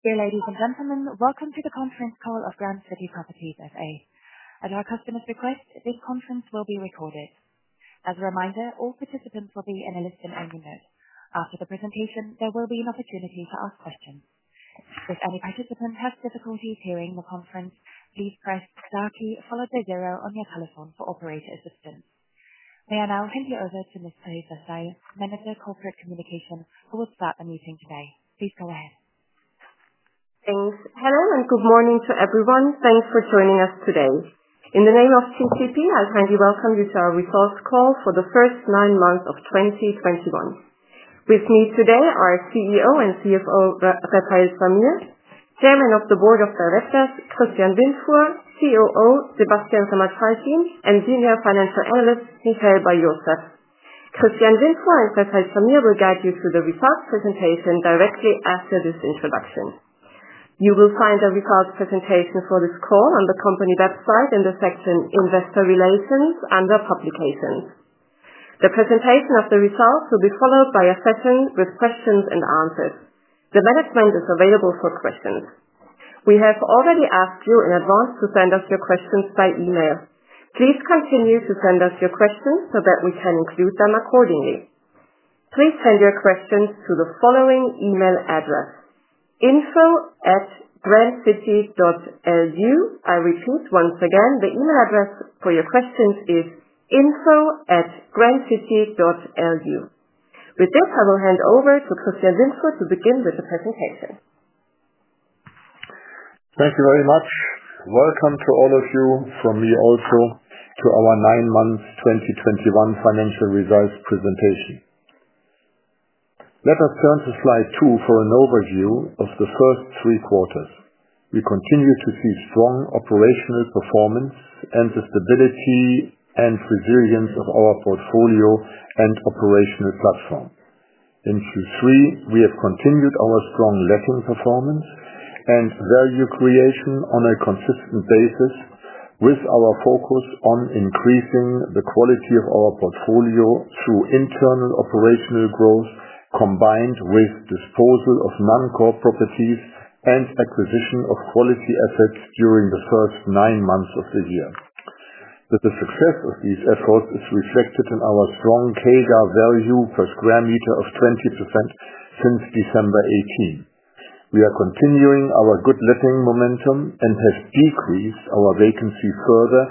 Dear ladies and gentlemen, welcome to the conference call of Grand City Properties S.A. At our customers' request, this conference will be recorded. As a reminder, all participants will be in a listen-only mode. After the presentation, there will be an opportunity to ask questions. If any participant has difficulties hearing the conference, please press star key followed by 0 on your telephone for operator assistance. May I now hand you over to Ms. Claire Bessai, Manager of Corporate Communications, who will start the meeting today. Please go ahead. Thanks. Hello, good morning to everyone. Thanks for joining us today. In the name of GCP, I kindly welcome you to our results call for the first nine months of 2021. With me today are CEO and CFO Refael Zamir, Chairman of the Board of Directors Christian Windfuhr, COO Sebastian Remmert-Faltin, and Senior Financial Analyst Michael Bar-Yosef. Christian Windfuhr and Refael Zamir will guide you through the results presentation directly after this introduction. You will find the results presentation for this call on the company website in the section Investor Relations under Publications. The presentation of the results will be followed by a session with questions and answers. The management is available for questions. We have already asked you in advance to send us your questions by email. Please continue to send us your questions so that we can include them accordingly. Please send your questions to the following email address: info@grandcity.lu. I repeat, once again, the email address for your questions is info@grandcity.lu. With this, I will hand over to Christian Windfuhr to begin with the presentation. Thank you very much. Welcome to all of you from me also to our nine-month 2021 financial results presentation. Let us turn to slide two for an overview of the first three quarters. We continue to see strong operational performance and the stability and resilience of our portfolio and operational platform. In Q3, we have continued our strong letting performance and value creation on a consistent basis with our focus on increasing the quality of our portfolio through internal operational growth, combined with disposal of non-core properties and acquisition of quality assets during the first nine months of the year. That the success of these efforts is reflected in our strong CAGR value per square meter of 20% since December 2018. We are continuing our good letting momentum and have decreased our vacancy further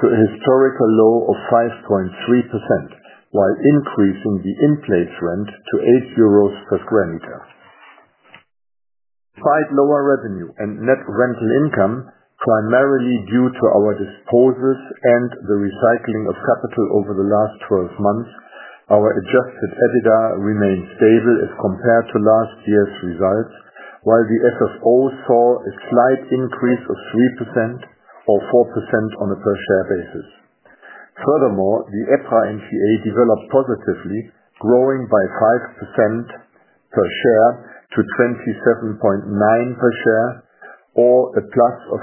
to a historical low of 5.3% while increasing the in-place rent to 8 euros per square meter. Quite lower revenue and net rental income, primarily due to our disposals and the recycling of capital over the last 12 months. Our adjusted EBITDA remains stable as compared to last year's results, while the FFO saw a slight increase of 3% or 4% on a per share basis. Furthermore, the EPRA NTA developed positively, growing by 5% per share to 27.9 per share or a plus of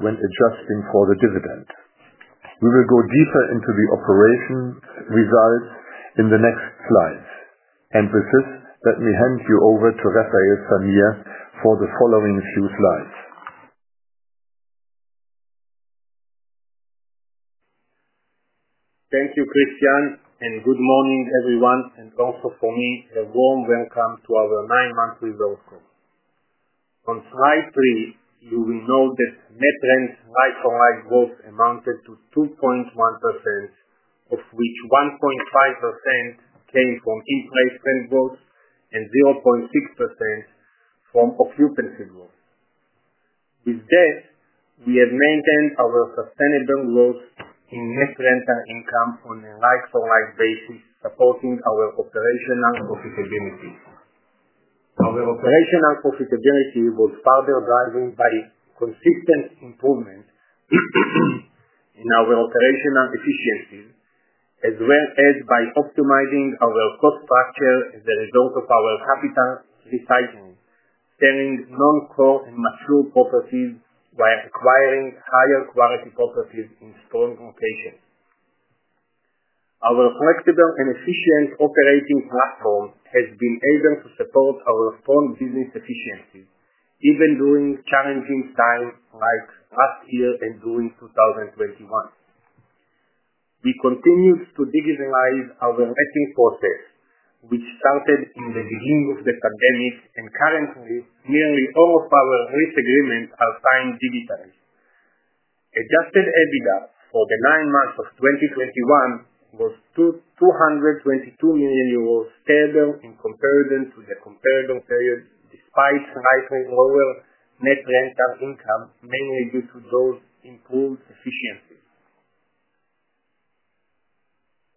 8% when adjusting for the dividend. We will go deeper into the operations results in the next slides. With this, let me hand you over to Refael Zamir for the following few slides. Thank you, Christian, good morning, everyone, and also for me a warm welcome to our nine-month results call. On slide three, you will note that net rents like-for-like growth amounted to 2.1%, of which 1.5% came from in-place rent growth and 0.6% from occupancy growth. With that, we have maintained our sustainable growth in net rental income on a like-for-like basis, supporting our operational profitability. Our operational profitability was further driven by consistent improvement in our operational efficiency, as well as by optimizing our cost structure as a result of our capital recycling, selling non-core and mature properties while acquiring higher quality properties in strong locations. Our flexible and efficient operating platform has been able to support our strong business efficiency, even during challenging times like last year and during 2021. We continued to digitalize our letting process, which started in the beginning of the pandemic. Currently, nearly all of our lease agreements are signed digitally. Adjusted EBITDA for the nine months of 2021 was 222 million euros, stable in comparison to the comparable period, despite slightly lower net rental income, mainly due to those improved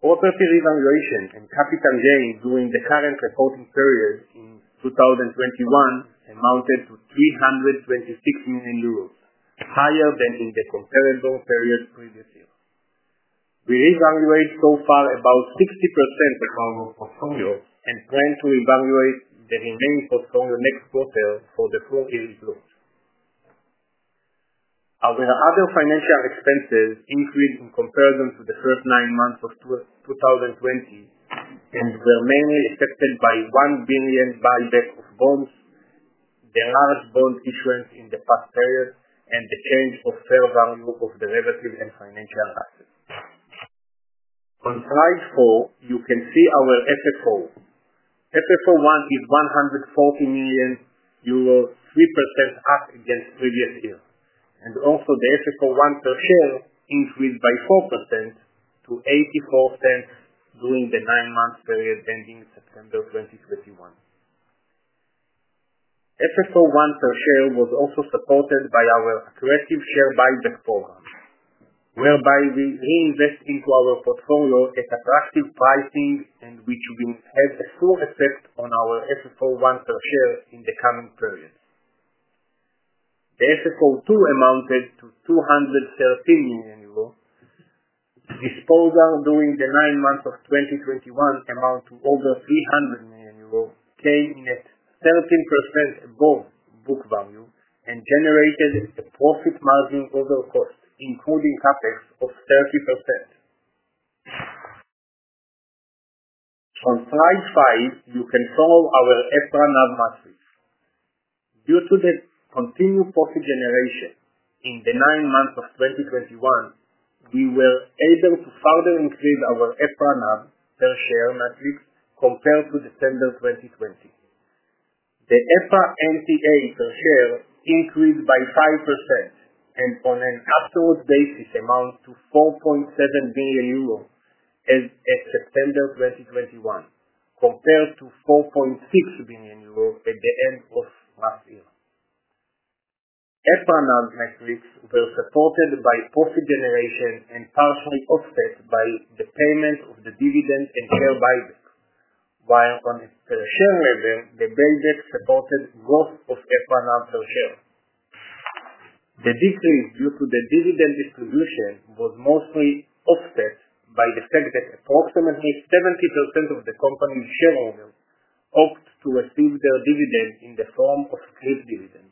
efficiencies. Property revaluation and capital gains during the current reporting period in 2021 amounted to 326 million euros, higher than in the comparable period previous year. We evaluate so far about 60% of our portfolio and plan to evaluate the remaining portfolio mix quarter for the full year outlook. Our other financial expenses increased in comparison to the first nine months of 2020, were mainly affected by 1 billion buyback of bonds. There are bond issuance in the past period and the change of fair value of derivatives and financial assets. On slide four, you can see our FFO. FFO 1 is 140 million euro, 3% up against the previous year. Also the FFO 1 per share increased by 4% to 0.84 during the nine-month period ending September 2021. FFO 1 per share was also supported by our aggressive share buyback program, whereby we reinvest into our portfolio at attractive pricing and which will have a full effect on our FFO 1 per share in the coming periods. The FFO 2 amounted to 213 million euros. Disposal during the nine months of 2021 amount to over 300 million euros, staying at 13% above book value and generated a profit margin over cost, including CapEx of 30%. On slide five, you can follow our EPRA NAV metrics. Due to the continued profit generation in the nine months of 2021, we were able to further increase our EPRA NAV per share metrics compared to December 2020. The EPRA NTA per share increased by 5% and on an absolute basis amounts to 4.7 billion euro as at September 2021, compared to 4.6 billion euro at the end of last year. EPRA NAV metrics were supported by profit generation and partially offset by the payment of the dividend and share buybacks, while on a per share level, the buyback supported growth of EPRA NAV per share. The decrease due to the dividend distribution was mostly offset by the fact that approximately 70% of the company's shareholders opt to receive their dividend in the form of scrip dividends.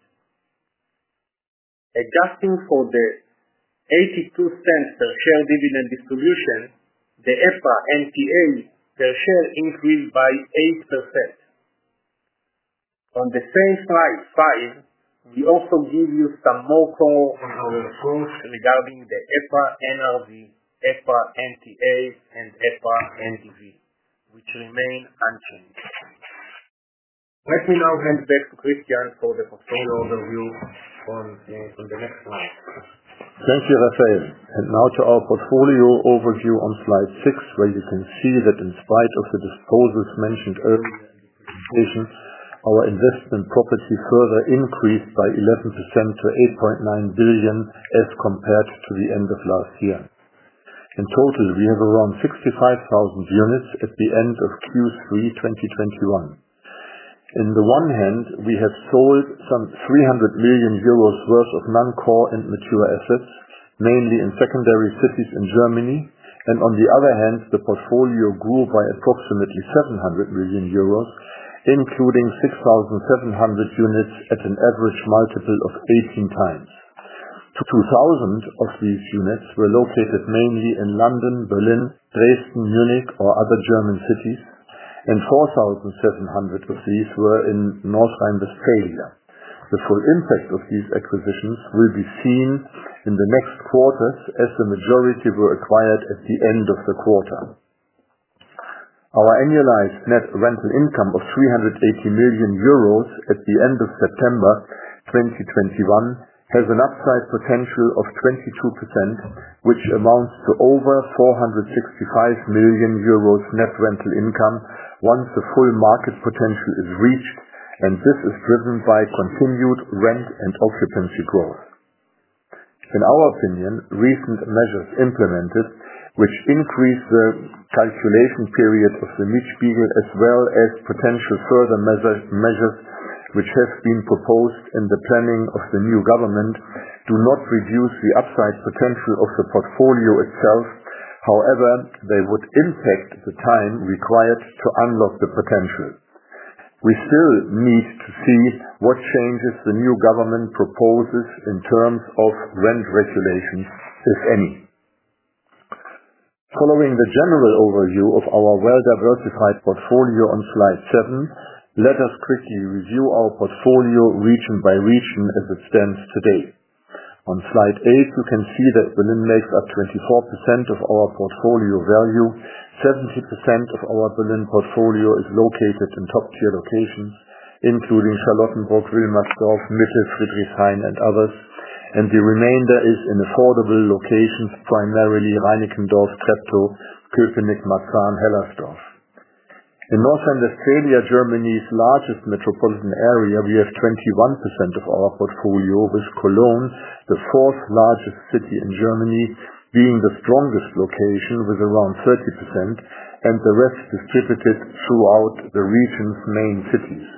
Adjusting for the 0.82 per share dividend distribution, the EPRA NTA per share increased by 8%. On the same slide five, we also give you some more color on our approach regarding the EPRA NRV, EPRA NTA, and EPRA NDV, which remain unchanged. Let me now hand back to Christian for the portfolio overview on the next slide. Thank you, Refael. Now to our portfolio overview on slide six, where you can see that in spite of the disposals mentioned earlier, our investment property further increased by 11% to 8.9 billion as compared to the end of last year. In total, we have around 65,000 units at the end of Q3 2021. In the one hand, we have sold some 300 million euros worth of non-core and mature assets, mainly in secondary cities in Germany. On the other hand, the portfolio grew by approximately 700 million euros, including 6,700 units at an average multiple of 18x. 2,000 of these units were located mainly in London, Berlin, Dresden, Munich, or other German cities, and 4,700 of these were in North Rhine-Westphalia. The full impact of these acquisitions will be seen in the next quarters, as the majority were acquired at the end of the quarter. Our annualized net rental income of 380 million euros at the end of September 2021, has an upside potential of 22%, which amounts to over 465 million euros net rental income once the full market potential is reached. This is driven by continued rent and occupancy growth. In our opinion, recent measures implemented, which increase the calculation period of the Mietspiegel, as well as potential further measures which have been proposed in the planning of the new government, do not reduce the upside potential of the portfolio itself. However, they would impact the time required to unlock the potential. We still need to see what changes the new government proposes in terms of rent regulations, if any. Following the general overview of our well-diversified portfolio on slide seven, let us quickly review our portfolio region by region as it stands today. On slide eight, you can see that Berlin makes up 24% of our portfolio value. 70% of our Berlin portfolio is located in top-tier locations, including Charlottenburg, Wilmersdorf, Mitte, Friedrichshain, and others. The remainder is in affordable locations, primarily Reinickendorf, Treptow, Köpenick, Marzahn, Hellersdorf. In North Rhine-Westphalia, Germany's largest metropolitan area, we have 21% of our portfolio with Cologne, the fourth largest city in Germany, being the strongest location with around 30%, and the rest distributed throughout the region's main cities.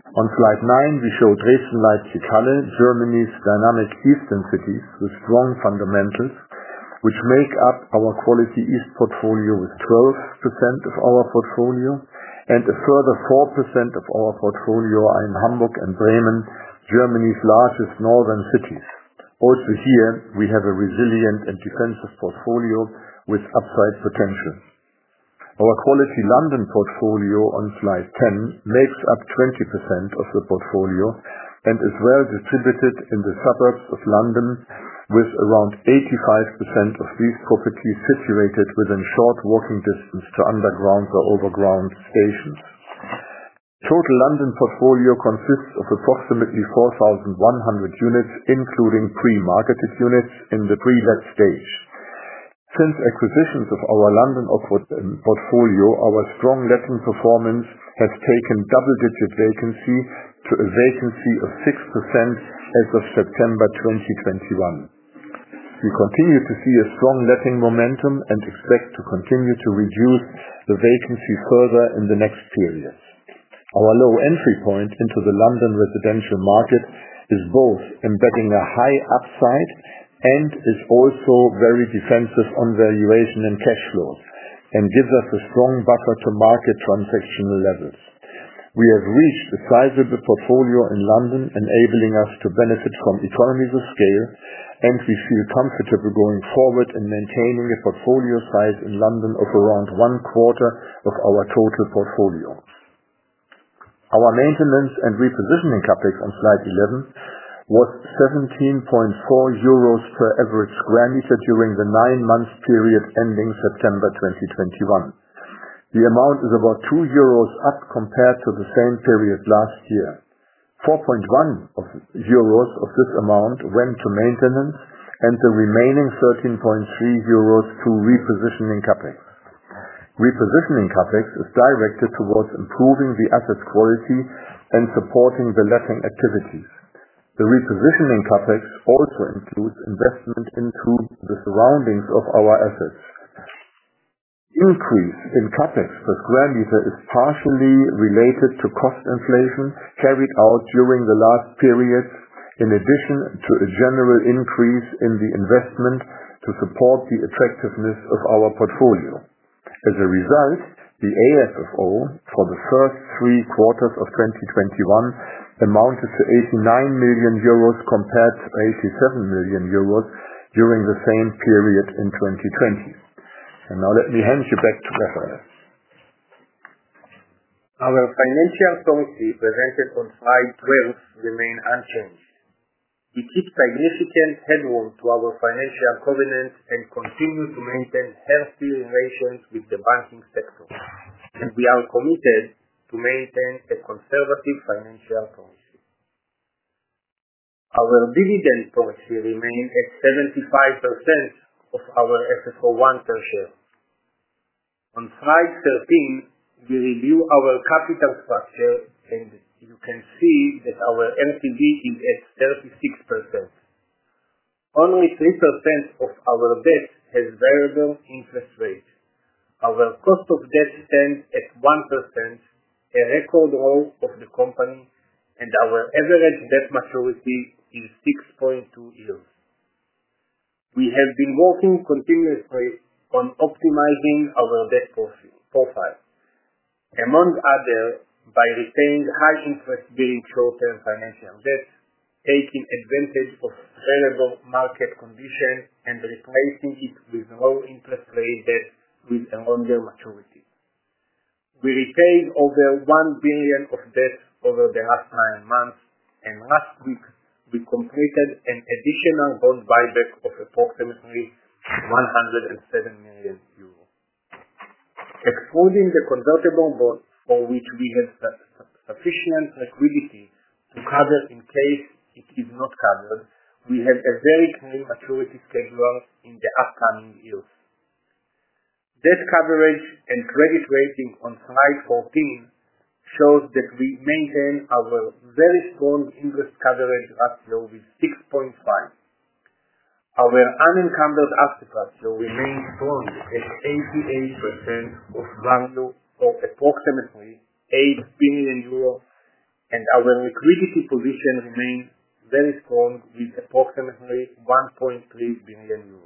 On slide nine, we show Dresden, Leipzig, Halle, Germany's dynamic eastern cities with strong fundamentals. Which make up our quality East portfolio with 12% of our portfolio, and a further 4% of our portfolio are in Hamburg and Bremen, Germany's largest northern cities. Also here, we have a resilient and defensive portfolio with upside potential. Our quality London portfolio on slide 10, makes up 20% of the portfolio and is well distributed in the suburbs of London, with around 85% of these properties situated within short walking distance to Underground or Overground stations. Total London portfolio consists of approximately 4,100 units, including pre-marketed units in the pre-let stage. Since acquisitions of our London portfolio, our strong letting performance has taken double-digit vacancy to a vacancy of 6% as of September 2021. We continue to see a strong letting momentum and expect to continue to reduce the vacancy further in the next period. Our low entry point into the London residential market is both embedding a high upside and is also very defensive on valuation and cash flow, gives us a strong buffer to market transactional levels. We have reached a sizable portfolio in London, enabling us to benefit from economies of scale, we feel comfortable going forward in maintaining a portfolio size in London of around one-quarter of our total portfolio. Our maintenance and repositioning CapEx on slide 11, was 17.4 euros per average square meter during the nine-month period ending September 2021. The amount is about 2 euros up compared to the same period last year. 4.1 euros of this amount went to maintenance and the remaining 13.3 euros to repositioning CapEx. Repositioning CapEx is directed towards improving the asset quality and supporting the letting activities. The repositioning CapEx also includes investment into the surroundings of our assets. Increase in CapEx per square meter is partially related to cost inflation carried out during the last periods, in addition to a general increase in the investment to support the attractiveness of our portfolio. As a result, the AFFO for the first three quarters of 2021 amounted to 89 million euros compared to 87 million euros during the same period in 2020. Now let me hand you back to Refael. Our financial policy presented on slide 12 remains unchanged. We keep significant headroom to our financial covenants and continue to maintain healthy relations with the banking sector. We are committed to maintain a conservative financial policy. Our dividend policy remains at 75% of our AFFO 1 per share. On slide 13, we review our capital structure, and you can see that our LTV is at 36%. Only 3% of our debt has variable interest rates. Our cost of debt stands at 1%, a record low of the company, and our average debt maturity is 6.2 years. We have been working continuously on optimizing our debt profile, among others, by repaying high interest bearing short-term financial debt, taking advantage of favorable market conditions, and replacing it with low interest rate debt with a longer maturity. We repaid over 1 billion of debt over the last nine months, and last week we completed an additional bond buyback of approximately 107 million euros. Excluding the convertible bonds for which we have sufficient liquidity to cover in case it is not covered, we have a very clear maturity schedule in the upcoming years. Debt coverage and credit rating on slide 14 shows that we maintain our very strong interest coverage ratio with 6.5. Our unencumbered asset ratio remains strong at 88% of value or approximately 8 billion euros, and our liquidity position remains very strong with approximately EUR 1.3 billion.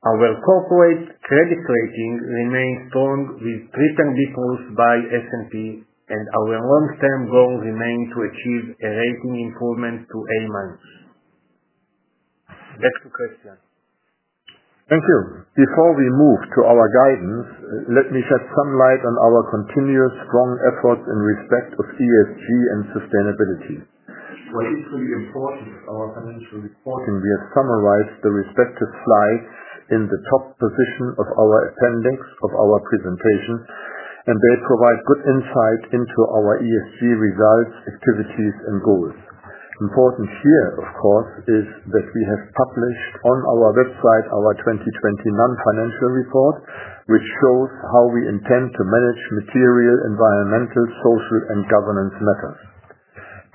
Our corporate credit rating remains strong with triple B plus by S&P, and our long-term goal remains to achieve a rating improvement to A minus. Back to Christian. Thank you. Before we move to our guidance, let me shed some light on our continuous strong efforts in respect of ESG and sustainability. While equally important as our financial reporting, we have summarized the respective slides in the top position of our appendix of our presentation, and they provide good insight into our ESG results, activities, and goals. Important here, of course, is that we have published on our website our 2021 financial report, which shows how we intend to manage material, environmental, social, and governance matters.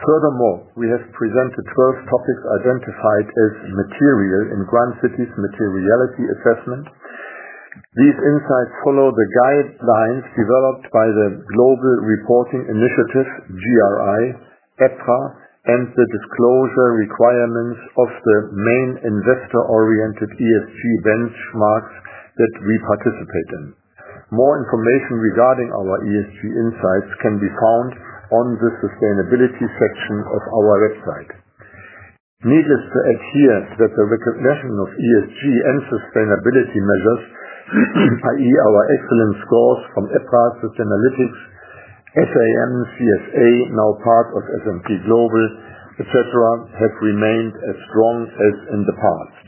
Furthermore, we have presented 12 topics identified as material in Grand City's materiality assessment. These insights follow the guidelines developed by the Global Reporting Initiative, GRI, EPRA, and the disclosure requirements of the main investor-oriented ESG benchmarks that we participate in. More information regarding our ESG insights can be found on the sustainability section of our website. Needless to add here that the recognition of ESG and sustainability measures, i.e., our excellent scores from Sustainalytics, SAM, CSA, now part of S&P Global, et cetera, have remained as strong as in the past.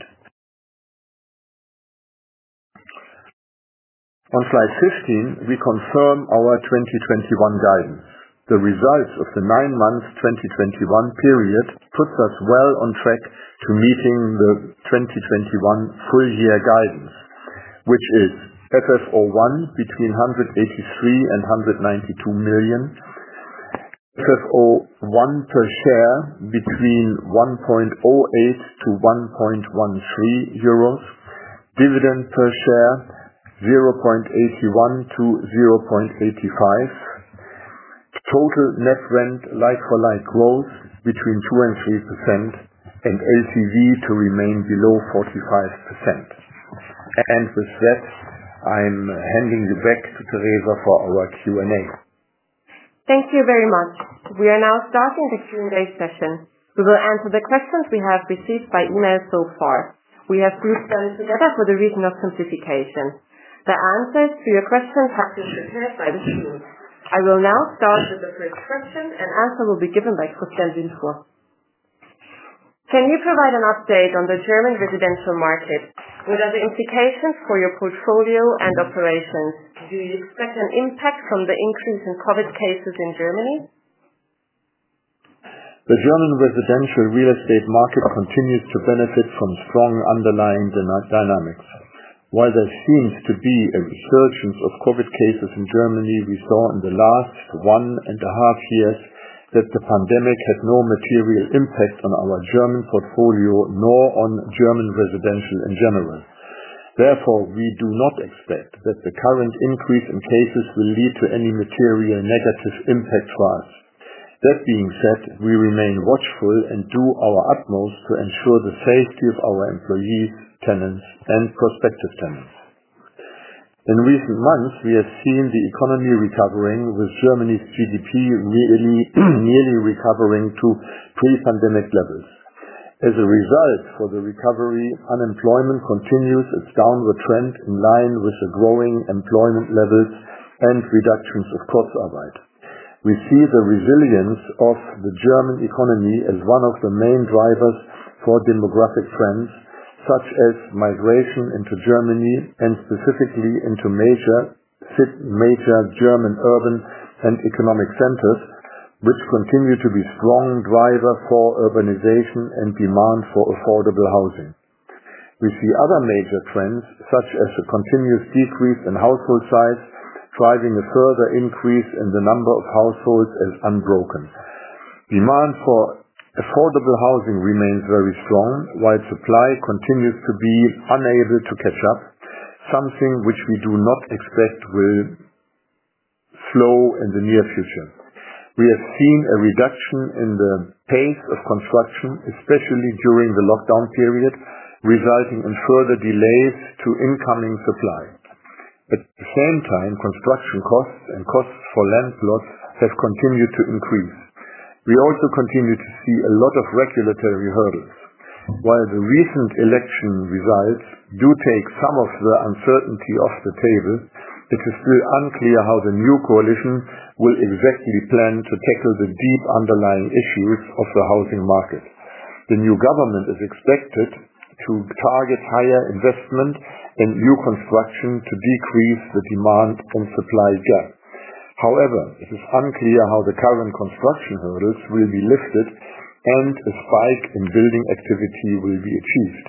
On slide 15, we confirm our 2021 guidance. The results of the nine-month 2021 period puts us well on track to meeting the 2021 full-year guidance, which is FFO 1 between 183 million and 192 million. FFO 1 per share between 1.08 to 1.13 euros. Dividend per share 0.81 to 0.85. Total net rent like-for-like growth between 2% and 3%, and LTV to remain below 45%. With that, I'm handing you back to Theresa for our Q&A. Thank you very much. We are now starting the Q&A session. We will answer the questions we have received by email so far. We have grouped them together for the reason of simplification. The answers to your questions have been prepared by the team. I will now start with the first question, and answer will be given by Christian Windfuhr. Can you provide an update on the German residential market? What are the implications for your portfolio and operations? Do you expect an impact from the increase in COVID cases in Germany? The German residential real estate market continues to benefit from strong underlying dynamics. While there seems to be a resurgence of COVID cases in Germany, we saw in the last one and a half years that the pandemic had no material impact on our German portfolio, nor on German residential in general. We do not expect that the current increase in cases will lead to any material negative impact for us. We remain watchful and do our utmost to ensure the safety of our employees, tenants, and prospective tenants. In recent months, we have seen the economy recovering, with Germany's GDP nearly recovering to pre-pandemic levels. Unemployment continues its downward trend in line with the growing employment levels and reductions of Kurzarbeit. We see the resilience of the German economy as one of the main drivers for demographic trends, such as migration into Germany and specifically into major German urban and economic centers, which continue to be strong driver for urbanization and demand for affordable housing. We see other major trends, such as the continuous decrease in household size, driving a further increase in the number of households as unbroken. Demand for affordable housing remains very strong, while supply continues to be unable to catch up, something which we do not expect will slow in the near future. We have seen a reduction in the pace of construction, especially during the lockdown period, resulting in further delays to incoming supply. At the same time, construction costs and costs for land plots have continued to increase. We also continue to see a lot of regulatory hurdles. While the recent election results do take some of the uncertainty off the table, it is still unclear how the new coalition will exactly plan to tackle the deep underlying issues of the housing market. The new government is expected to target higher investment and new construction to decrease the demand and supply gap. It is unclear how the current construction hurdles will be lifted and a spike in building activity will be achieved.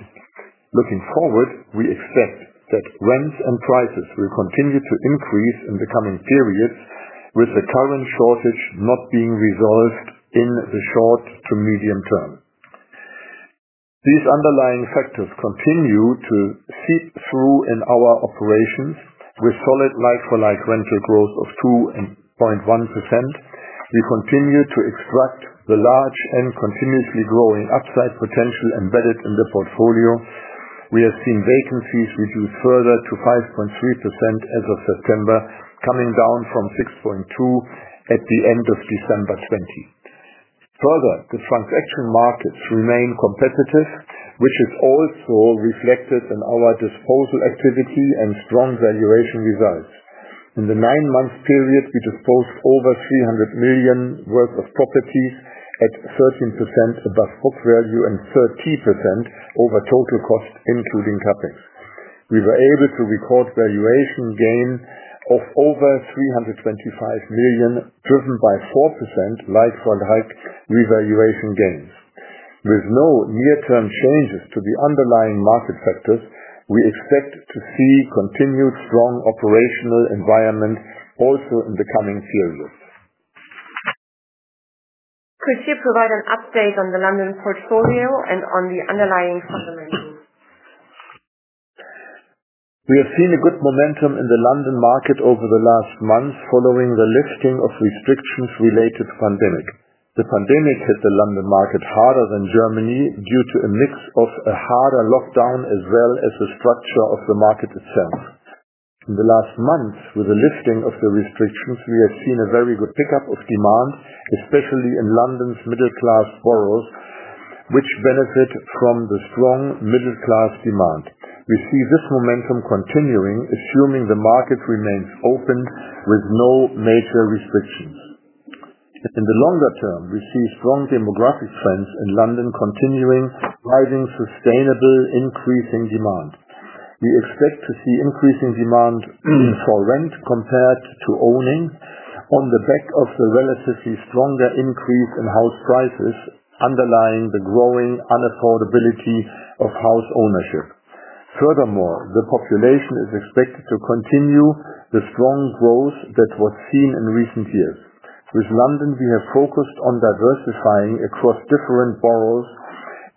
Looking forward, we expect that rents and prices will continue to increase in the coming periods, with the current shortage not being resolved in the short to medium term. These underlying factors continue to seep through in our operations. With solid like-for-like rental growth of 2.1%, we continue to extract the large and continuously growing upside potential embedded in the portfolio. We have seen vacancies reduce further to 5.3% as of September, coming down from 6.2% at the end of December 2020. The transaction markets remain competitive, which is also reflected in our disposal activity and strong valuation results. In the nine-month period, we disposed over 300 million worth of properties at 13% above book value and 30% over total cost, including CapEx. We were able to record valuation gain of over 325 million, driven by 4% like-for-like revaluation gains. With no near-term changes to the underlying market factors, we expect to see continued strong operational environment also in the coming periods. Could you provide an update on the London portfolio and on the underlying fundamentals? We have seen a good momentum in the London market over the last month following the lifting of restrictions related to pandemic. The pandemic hit the London market harder than Germany due to a mix of a harder lockdown, as well as the structure of the market itself. In the last month, with the lifting of the restrictions, we have seen a very good pickup of demand, especially in London's middle-class boroughs, which benefit from the strong middle-class demand. We see this momentum continuing, assuming the market remains open with no major restrictions. In the longer term, we see strong demographic trends in London continuing, driving sustainable increasing demand. We expect to see increasing demand for rent compared to owning on the back of the relatively stronger increase in house prices, underlying the growing unaffordability of house ownership. The population is expected to continue the strong growth that was seen in recent years. With London, we have focused on diversifying across different boroughs,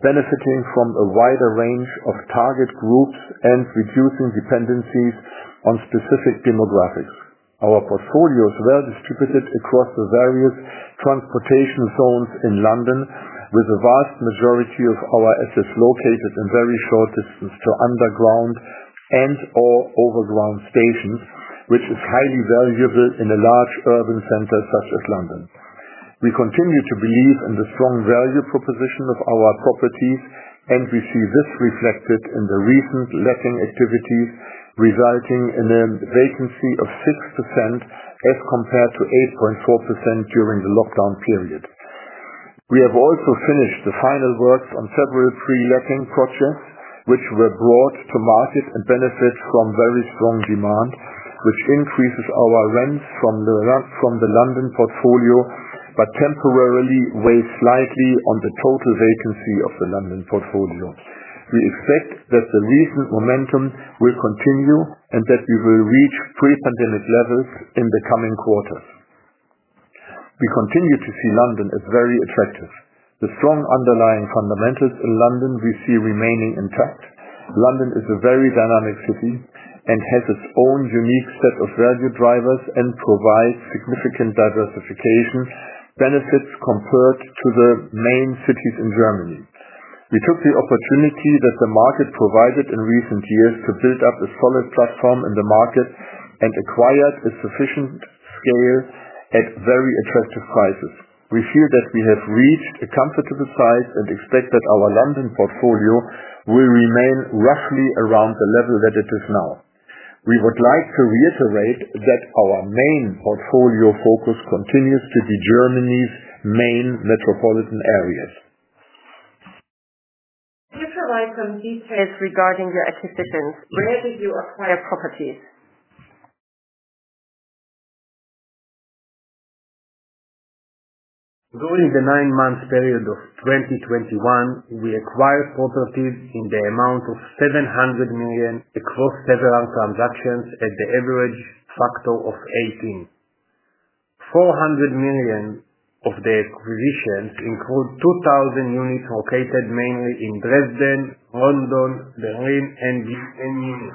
benefiting from a wider range of target groups and reducing dependencies on specific demographics. Our portfolio is well distributed across the various transportation zones in London, with the vast majority of our assets located in very short distance to underground and/or overground stations, which is highly valuable in a large urban center such as London. We continue to believe in the strong value proposition of our properties, and we see this reflected in the recent letting activity, resulting in a vacancy of 6% as compared to 8.4% during the lockdown period. We have also finished the final works on several pre-letting projects, which were brought to market and benefit from very strong demand, which increases our rents from the London portfolio, but temporarily weigh slightly on the total vacancy of the London portfolio. We expect that the recent momentum will continue and that we will reach pre-pandemic levels in the coming quarters. We continue to see London as very attractive. The strong underlying fundamentals in London, we see remaining intact. London is a very dynamic city and has its own unique set of value drivers and provides significant diversification benefits compared to the main cities in Germany. We took the opportunity that the market provided in recent years to build up a solid platform in the market and acquired a sufficient scale at very attractive prices. We feel that we have reached a comfortable size and expect that our London portfolio will remain roughly around the level that it is now. We would like to reiterate that our main portfolio focus continues to be Germany's main metropolitan areas. Can you provide some details regarding your acquisitions? Where did you acquire properties? During the nine-month period of 2021, we acquired properties in the amount of 700 million across several transactions at the average factor of 18. 400 million of the acquisitions include 2,000 units located mainly in Dresden, London, Berlin, and Vienna.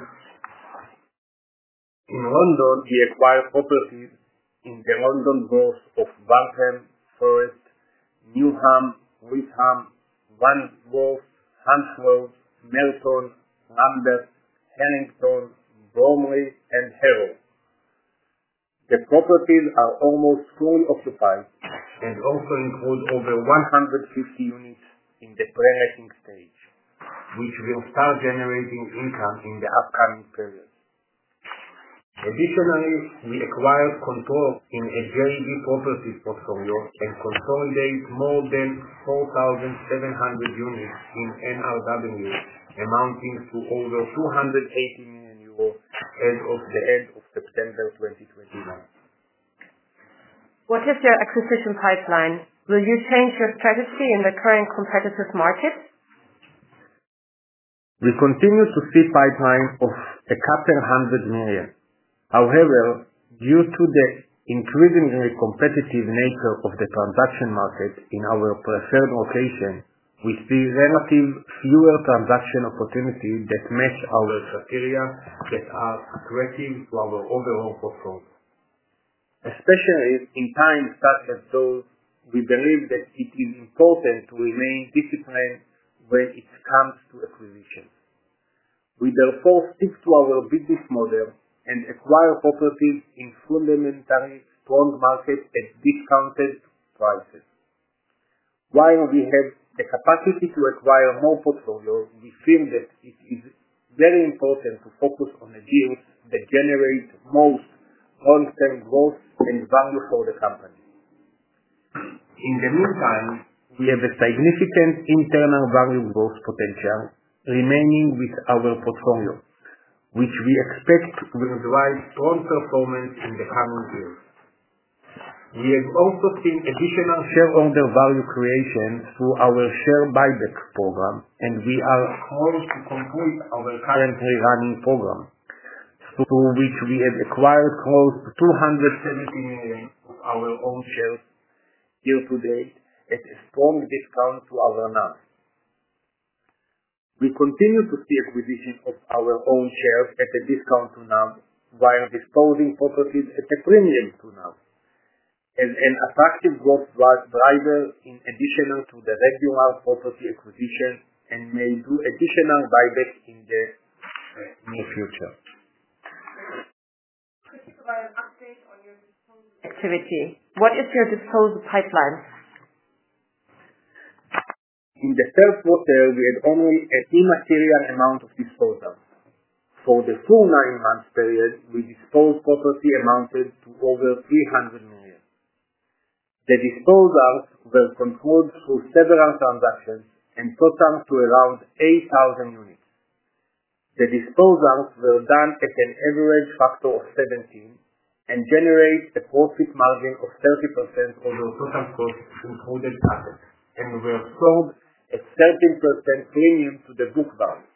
In London, we acquired properties in the London Boroughs of Barking, Forest, Newham, Waltham, Wandsworth, Hammersmith, Merton, Lambeth, Haringey, Bromley, and Harrow. The properties are almost fully occupied and also include over 150 units in the pre-letting stage, which will start generating income in the upcoming period. Additionally, we acquired control in a German properties portfolio and consolidate more than 4,700 units in NRW, amounting to over 280 million euros as of the end of September 2021. What is your acquisition pipeline? Will you change your strategy in the current competitive market? We continue to see pipeline of a couple hundred million EUR. However, due to the increasingly competitive nature of the transaction market in our preferred location, we see relatively fewer transaction opportunities that match our criteria that are accretive to our overall portfolio. Especially in times such as those, we believe that it is important to remain disciplined when it comes to acquisition. We therefore stick to our business model and acquire properties in fundamentally strong markets at discounted prices. While we have the capacity to acquire more portfolio, we feel that it is very important to focus on the deals that generate most long-term growth and value for the company. In the meantime, we have a significant internal value growth potential remaining with our portfolio, which we expect will drive strong performance in the coming years. We have also seen additional shareholder value creation through our share buyback program. We are on course to complete our currently running program, through which we have acquired close to 270 million of our own shares here today, at a strong discount to our NAV. We continue to see acquisition of our own shares at a discount to NAV while disposing properties at a premium to NAV, as an attractive growth driver in addition to the regular property acquisition, and may do additional buyback in the near future. Could you provide an update on your disposal activity? What is your disposal pipeline? In the first quarter, we had only an immaterial amount of disposals. For the full nine-month period, we disposed property amounted to over 300 million. The disposals were controlled through several transactions and totaled to around 8,000 units. The disposals were done at an average factor of 17 and generated a profit margin of 30% on the total cost, including CapEx, and were sold at 13% premium to the book value.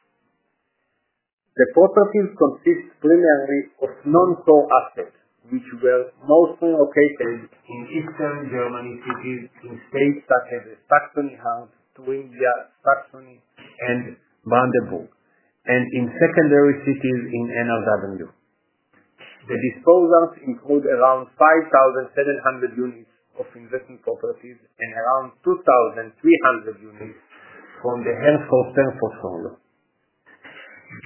The properties consist primarily of non-core assets, which were mostly located in eastern Germany cities in states such as Saxony-Anhalt, Thuringia, Saxony, and Brandenburg, and in secondary cities in N.R.W. The disposals include around 5,700 units of investment properties and around 2,300 units from the held-for-sale portfolio.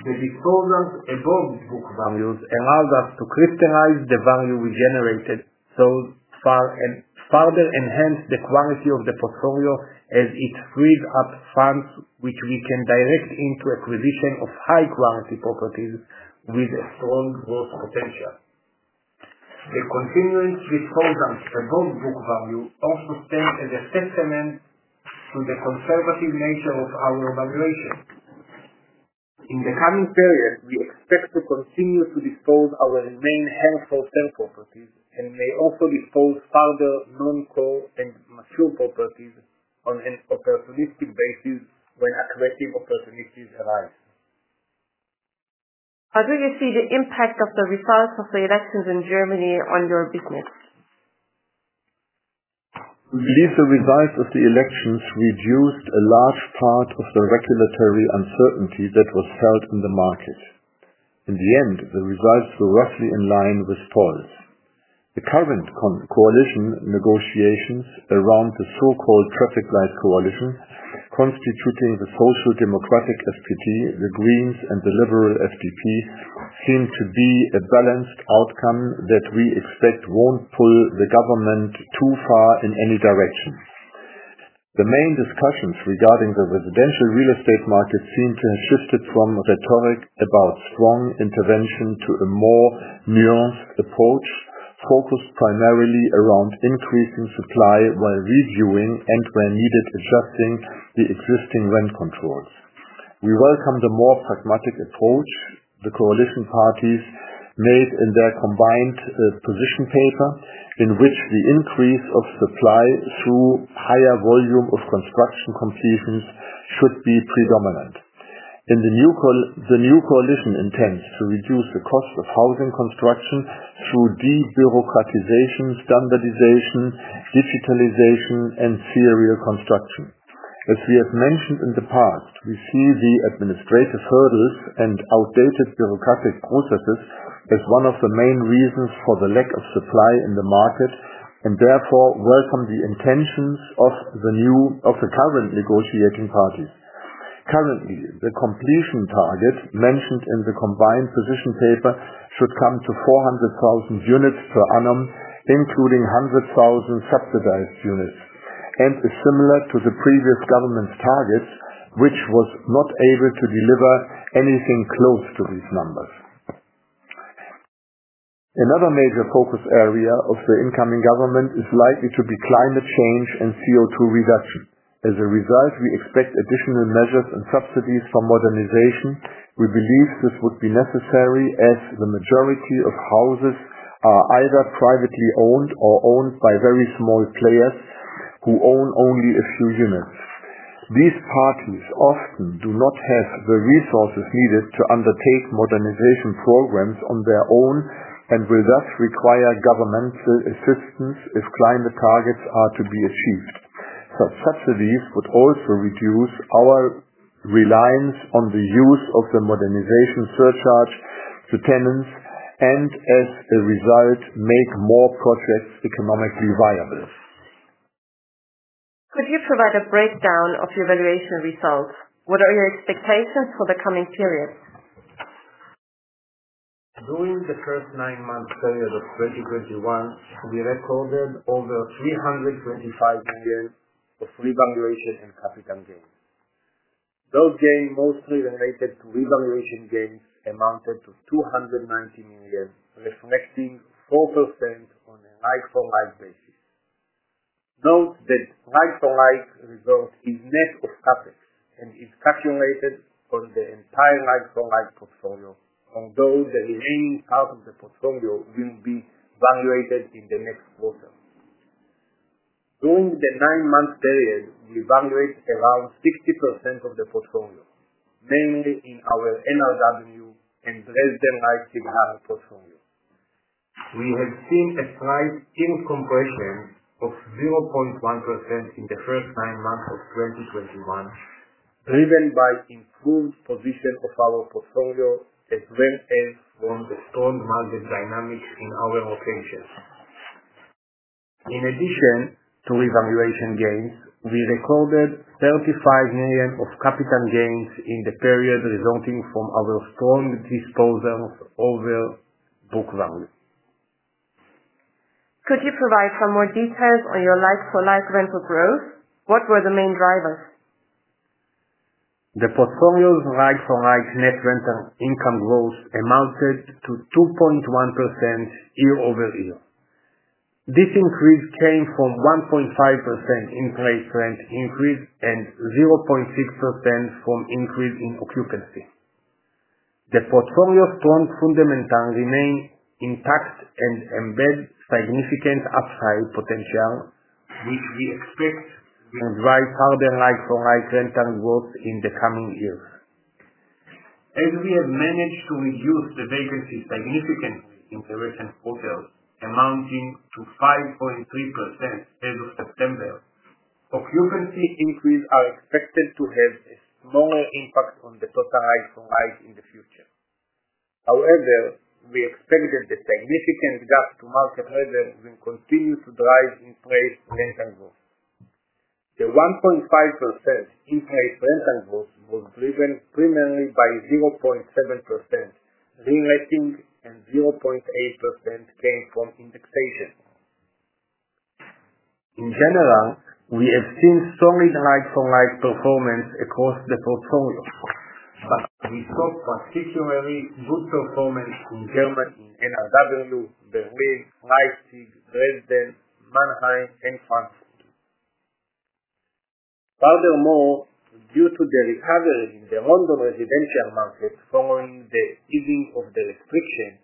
The disposals above book values allowed us to crystallize the value we generated so far and further enhance the quality of the portfolio as it frees up funds, which we can direct into acquisition of high-quality properties with a strong growth potential. The continuing disposals above book value also stand as a testament to the conservative nature of our valuation. In the coming period, we expect to continue to dispose our remaining held-for-sale properties and may also dispose further non-core and mature properties on an opportunistic basis when attractive opportunities arise. How do you see the impact of the results of the elections in Germany on your business? We believe the results of the elections reduced a large part of the regulatory uncertainty that was felt in the market. In the end, the results were roughly in line with polls. The current coalition negotiations around the so-called traffic light coalition, constituting the Social Democratic, SPD, the Greens, and the Liberal FDP, seem to be a balanced outcome that we expect won't pull the government too far in any direction. The main discussions regarding the residential real estate market seem to have shifted from rhetoric about strong intervention to a more nuanced approach, focused primarily around increasing supply while reviewing and, where needed, adjusting the existing rent controls. We welcome the more pragmatic approach the coalition parties made in their combined position paper, in which the increase of supply through higher volume of construction completions should be predominant. The new coalition intends to reduce the cost of housing construction through de-bureaucratization, standardization, digitalization, and serial construction. As we have mentioned in the past, we see the administrative hurdles and outdated bureaucratic processes as one of the main reasons for the lack of supply in the market, and therefore, welcome the intentions of the current negotiating parties. Currently, the completion target mentioned in the combined position paper should come to 400,000 units per annum, including 100,000 subsidized units, and is similar to the previous government's targets, which was not able to deliver anything close to these numbers. Another major focus area of the incoming government is likely to be climate change and CO2 reduction. As a result, we expect additional measures and subsidies for modernization. We believe this would be necessary as the majority of houses are either privately owned or owned by very small players who own only a few units. These parties often do not have the resources needed to undertake modernization programs on their own and will, thus, require governmental assistance if climate targets are to be achieved. Such subsidies would also reduce our reliance on the use of the modernization surcharge to tenants and, as a result, make more projects economically viable. Could you provide a breakdown of your valuation results? What are your expectations for the coming periods? During the first nine-month period of 2021, we recorded over 325 million of revaluation and capital gains. Those gains mostly related to revaluation gains amounted to 219 million, reflecting 4% on a like-for-like basis. Note that like-for-like result is net of CapEx and is calculated on the entire like-for-like portfolio, although the remaining part of the portfolio will be valuated in the next quarter. During the nine-month period, we evaluate around 60% of the portfolio, mainly in our NRW and Dresden life in our portfolio. We have seen a price yield compression of 0.1% in the first nine months of 2021, driven by improved position of our portfolio, as well as from the strong market dynamics in our locations. In addition to revaluation gains, we recorded 35 million of capital gains in the period resulting from our strong disposals over book value. Could you provide some more details on your like-for-like rental growth? What were the main drivers? The portfolio's like-for-like net rental income growth amounted to 2.1% year-over-year. This increase came from 1.5% in-place rent increase and 0.6% from increase in occupancy. The portfolio's strong fundamentals remain intact and embed significant upside potential, which we expect will drive further like-for-like rental growth in the coming years. As we have managed to reduce the vacancy significantly in recent quarters, amounting to 5.3% as of September, occupancy increases are expected to have a smaller impact on the total like-for-like in the future. However, we expected the significant gap to market rent will continue to drive in-place rental growth. The 1.5% in-place rental growth was driven primarily by 0.7% reletting, and 0.8% came from indexation. In general, we have seen solid like-for-like performance across the portfolio. We saw particularly good performance in Germany, in NRW, Berlin, Leipzig, Dresden, Mannheim, and Frankfurt. Furthermore, due to the recovery in the London residential market following the easing of the restrictions,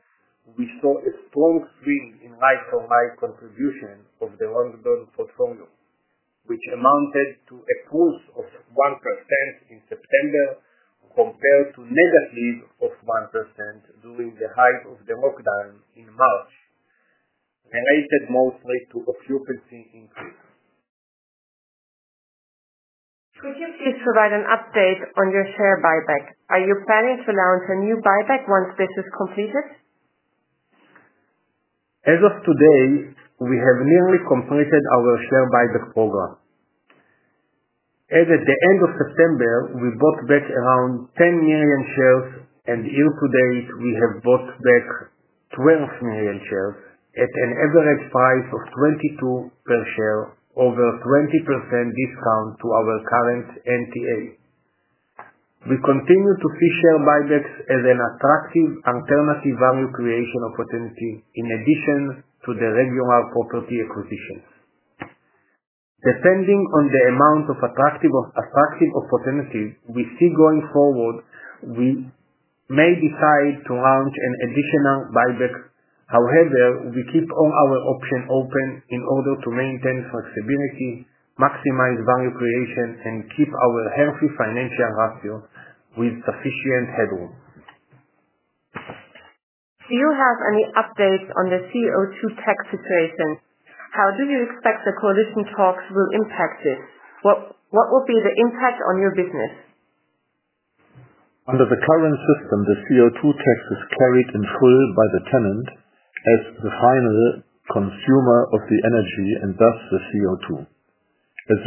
we saw a strong swing in like-for-like contribution of the London portfolio, which amounted to a push of 1% in September, compared to negative of 1% during the height of the lockdown in March, related mostly to occupancy increase. Could you please provide an update on your share buyback? Are you planning to launch a new buyback once this is completed? As of today, we have nearly completed our share buyback program. As at the end of September, we bought back around 10 million shares, and year to date, we have bought back 12 million shares at an average price of 22 per share, over 20% discount to our current NTA. We continue to see share buybacks as an attractive alternative value creation opportunity in addition to the regular property acquisitions. Depending on the amount of attractive opportunities we see going forward, we may decide to launch an additional buyback. We keep all our options open in order to maintain flexibility, maximize value creation, and keep our healthy financial ratio with sufficient headroom. Do you have any updates on the CO2 tax situation? How do you expect the coalition talks will impact it? What will be the impact on your business? Under the current system, the CO2 tax is carried in full by the tenant as the final consumer of the energy and thus the CO2. There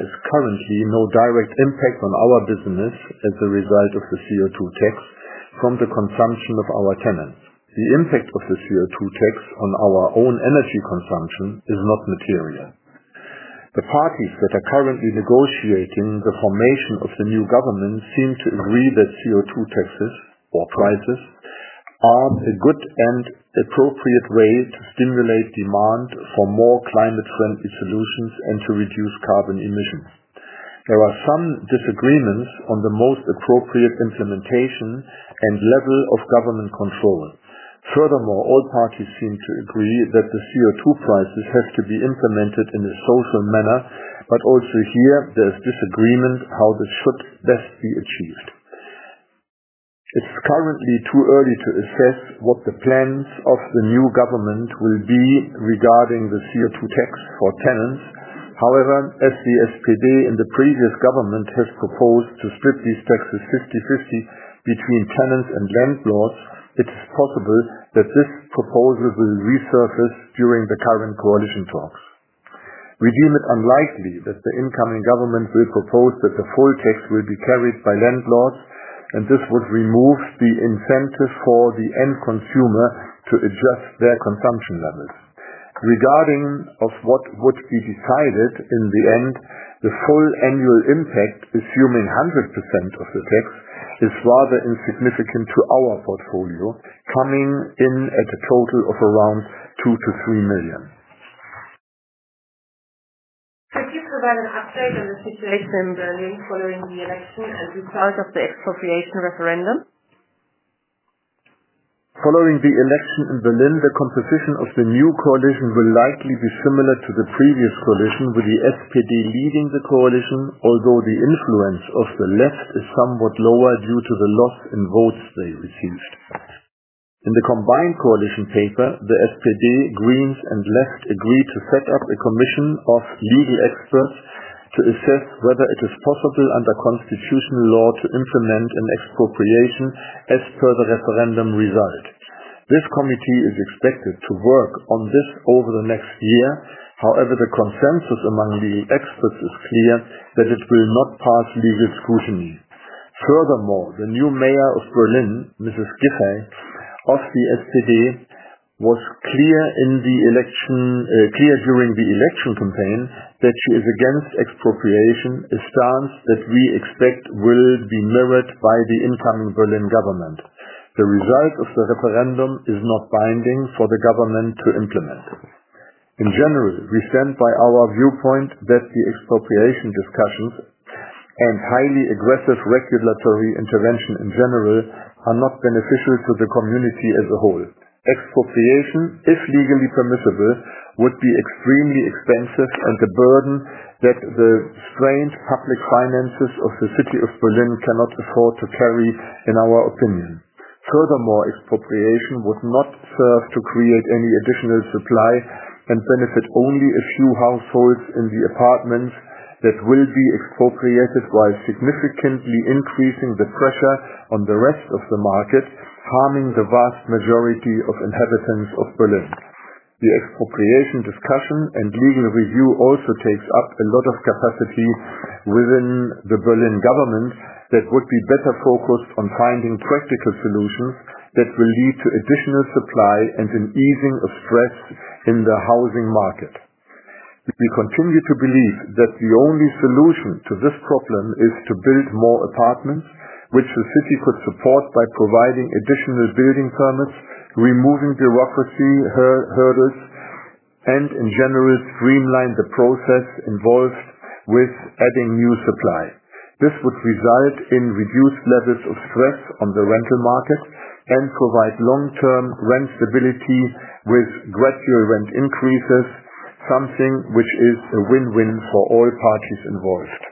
is currently no direct impact on our business as a result of the CO2 tax from the consumption of our tenants. The impact of the CO2 tax on our own energy consumption is not material. The parties that are currently negotiating the formation of the new government seem to agree that CO2 taxes or prices are a good and appropriate way to stimulate demand for more climate-friendly solutions and to reduce carbon emissions. There are some disagreements on the most appropriate implementation and level of government control. All parties seem to agree that the CO2 prices have to be implemented in a social manner, but also here, there's disagreement how this should best be achieved. It's currently too early to assess what the plans of the new government will be regarding the CO2 tax for tenants. As the SPD in the previous government has proposed to split these taxes 50/50 between tenants and landlords, it is possible that this proposal will resurface during the current coalition talks. We deem it unlikely that the incoming government will propose that the full tax will be carried by landlords, and this would remove the incentive for the end consumer to adjust their consumption levels. Regarding what would be decided in the end, the full annual impact, assuming 100% of the tax, is rather insignificant to our portfolio, coming in at a total of around 2 million-3 million. Could you provide an update on the situation in Berlin following the election as a result of the expropriation referendum? Following the election in Berlin, the composition of the new coalition will likely be similar to the previous coalition, with the SPD leading the coalition, although the influence of the left is somewhat lower due to the loss in votes they received. In the combined coalition paper, the SPD, Greens, and Left agreed to set up a commission of legal experts to assess whether it is possible under constitutional law to implement an expropriation as per the referendum result. This committee is expected to work on this over the next year. The consensus among the experts is clear that it will not pass legal scrutiny. The new mayor of Berlin, Mrs. Giffey of the SPD, was clear during the election campaign that she is against expropriation, a stance that we expect will be mirrored by the incoming Berlin government. The result of the referendum is not binding for the government to implement. In general, we stand by our viewpoint that the expropriation discussions and highly aggressive regulatory intervention in general are not beneficial to the community as a whole. Expropriation, if legally permissible, would be extremely expensive and a burden that the strained public finances of the city of Berlin cannot afford to carry, in our opinion. Expropriation would not serve to create any additional supply and benefit only a few households in the apartments that will be expropriated while significantly increasing the pressure on the rest of the market, harming the vast majority of inhabitants of Berlin. The expropriation discussion and legal review also takes up a lot of capacity within the Berlin government that would be better focused on finding practical solutions that will lead to additional supply and an easing of stress in the housing market. We continue to believe that the only solution to this problem is to build more apartments, which the city could support by providing additional building permits, removing bureaucracy hurdles, and in general, streamline the process involved with adding new supply. This would result in reduced levels of stress on the rental market and provide long-term rent stability with gradual rent increases, something which is a win-win for all parties involved.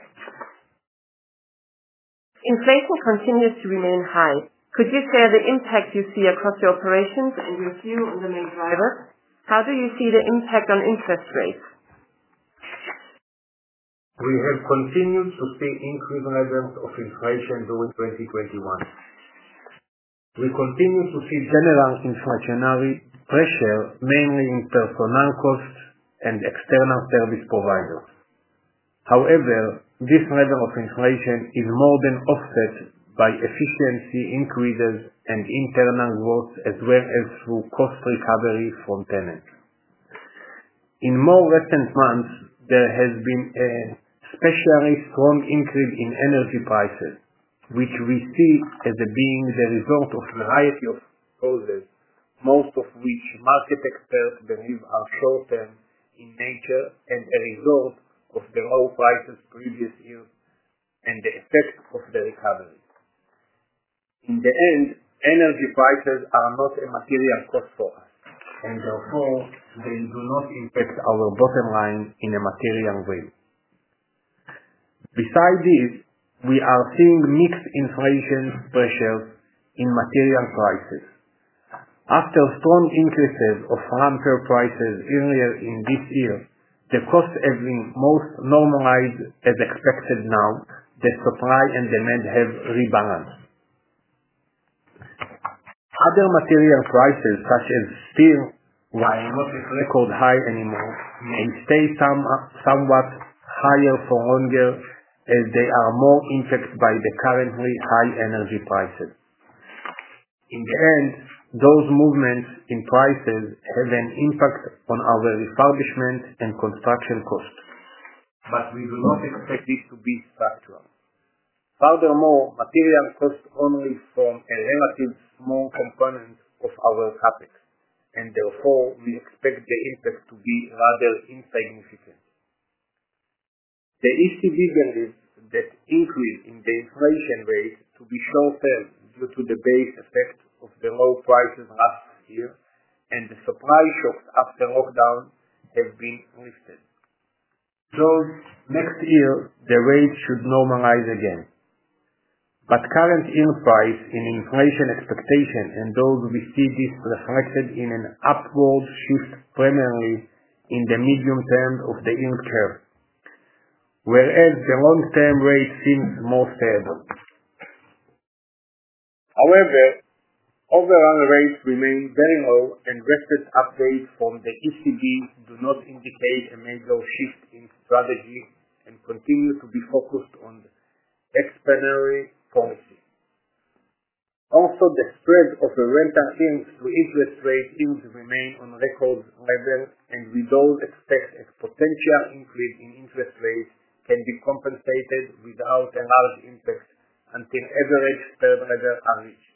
Inflation continues to remain high. Could you share the impact you see across your operations and your view on the main driver? How do you see the impact on interest rates? We have continued to see increased levels of inflation during 2021. We continue to see general inflationary pressure, mainly in personnel costs and external service providers. However, this level of inflation is more than offset by efficiency increases and internal growth, as well as through cost recovery from tenants. In more recent months, there has been an especially strong increase in energy prices, which we see as being the result of a variety of causes, most of which market experts believe are short-term in nature and a result of the low prices previous years and the effects of the recovery. In the end, energy prices are not a material cost for us, and therefore they do not impact our bottom line in a material way. Besides this, we are seeing mixed inflation pressures in material prices. After strong increases of lumber prices earlier in this year, the costs have been most normalized as expected now that supply and demand have rebalanced. Other material prices, such as steel, while not at record high anymore, may stay somewhat higher for longer, as they are more impacted by the currently high energy prices. In the end, those movements in prices have an impact on our refurbishment and construction costs. We do not expect this to be structural. Furthermore, material costs only form a relative small component of our CapEx, and therefore, we expect the impact to be rather insignificant. The ECB believes that increase in the inflation rate to be short-lived due to the base effect of the low prices last year and the supply shocks after lockdown have been lifted. Next year, the rate should normalize again. Current implies in inflation expectation, and though we see this reflected in an upward shift primarily in the medium term of the yield curve, whereas the long-term rate seems more stable. However, overall rates remain very low, and recent updates from the ECB do not indicate a major shift in strategy and continue to be focused on expansionary policy. Also, the spread of the rental yield to interest rates yield remain on record level, and we don't expect a potential increase in interest rates can be compensated without a large impact until average spread levels are reached.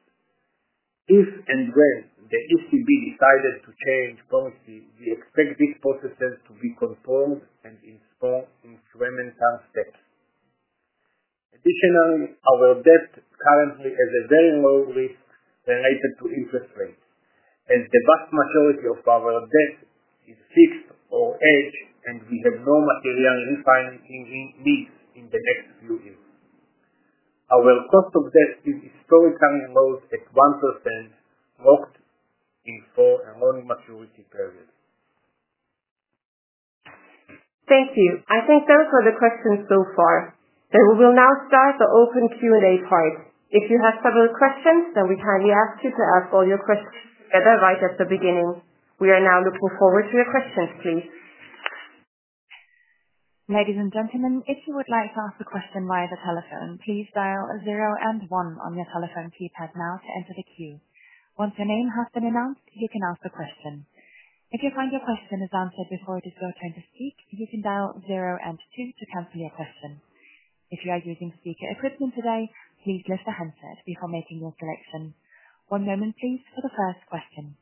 If and when the ECB decided to change policy, we expect this process to be controlled and in incremental steps. Additionally, our debt currently has a very low risk related to interest rates, as the vast majority of our debt is fixed or hedged, and we have no material refinancing needs in the next few years. Our cost of debt is historically low at 1%, locked in for a long maturity period. Thank you. I think those were the questions so far. We will now start the open Q&A part. If you have further questions, we kindly ask you to ask all your questions together right at the beginning. We are now looking forward to your questions, please. Ladies and gentlemen, if you would like to ask a question via the telephone, please dial zero and one on your telephone keypad now to enter the queue. Once your name has been announced, you can ask a question. If you find your question is answered before it is your turn to speak, you can dial zero and two to cancel your question. If you are using speaker equipment today, please lift the handset before making your selection. One moment please, for the first question.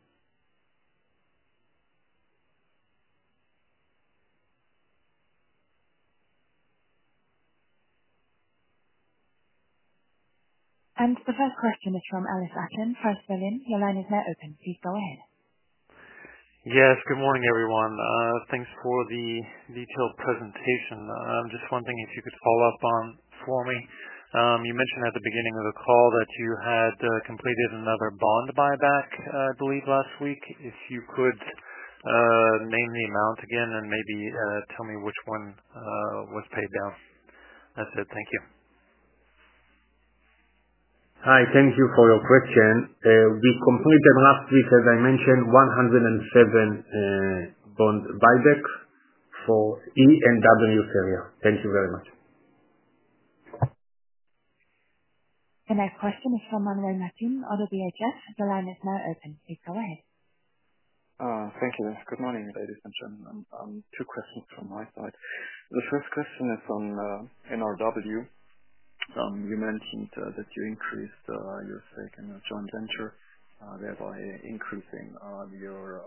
The first question is from Ellis Acklin, First Berlin. Your line is now open. Please go ahead. Yes, good morning, everyone. Thanks for the detailed presentation. Just one thing if you could follow up on for me. You mentioned at the beginning of the call that you had completed another bond buyback, I believe last week. If you could name the amount again and maybe tell me which one was paid down. That's it. Thank you. Hi. Thank you for your question. We completed last week, as I mentioned, 107 bond buybacks for E and W series. Thank you very much. The next question is from Manuel Martin, ODDO BHF. Your line is now open. Please go ahead. Thank you. Good morning, ladies and gentlemen. Two questions from my side. The first question is on NRW. You mentioned that you increased your stake in a joint venture, thereby increasing your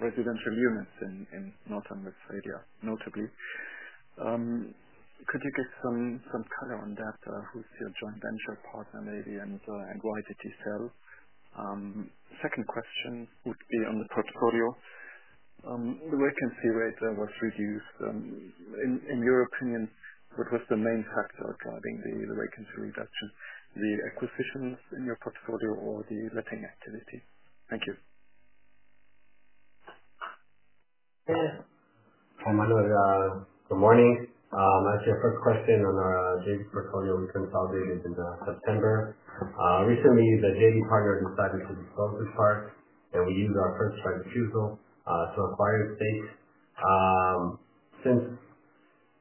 residential units in North Rhine-Westphalia, notably. Could you give some color on that? Who is your joint venture partner maybe, and why did you sell? Second question would be on the portfolio. The vacancy rate was reduced. In your opinion, what was the main factor driving the vacancy reduction? The acquisitions in your portfolio or the letting activity? Thank you. Hi, Manuel. Good morning. As your first question on our JV portfolio we consolidated into September. Recently, the JV partner decided to dispose this part, and we used our first right of refusal to acquire the stake. Since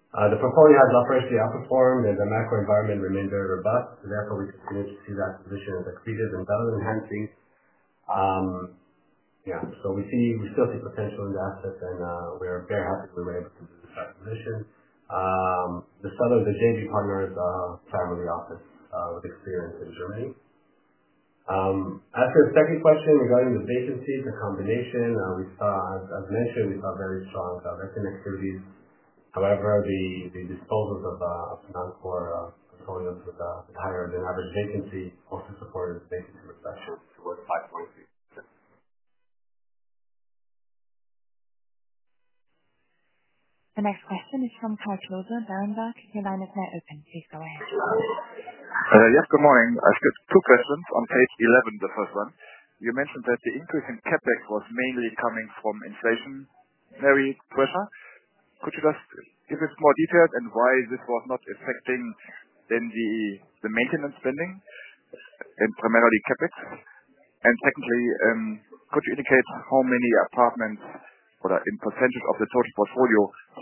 the portfolio has operationally outperformed and the macro environment remained very robust, therefore, we continued to see that position as accretive and value enhancing. Yeah. We still see potential in the asset, and we are very happy we were able to do this acquisition. The seller of the JV partner is a family office with experience in Germany. As for the second question regarding the vacancies, the combination we saw, as mentioned, we saw very strong leasing activities. However, the disposals of non-core portfolios with higher-than-average vacancy also supported the vacancy reduction towards 5.3%. The next question is from Andres Toome, Green Street Advisors. Your line is now open. Please go ahead. Yes, good morning. I've just two questions. On page 11, the first one, you mentioned that the increase in CapEx was mainly coming from inflationary pressure. Could you just give us more details on why this was not affecting the maintenance spending and primarily CapEx? Secondly, could you indicate how many apartments or in percentage of the total portfolio